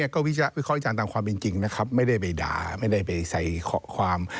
ก็วิเคราะห์ตามความเป็นจริงนะครับไม่ได้ไปด่าไม่ได้ไปใส่ความ